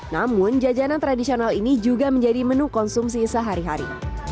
namun jajanan tradisional ini juga menjadi menu konsumsi sehari hari